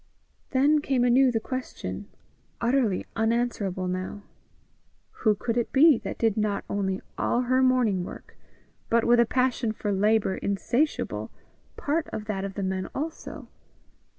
Then came anew the question, utterly unanswerable now who could it be that did not only all her morning work, but, with a passion for labour insatiable, part of that of the men also?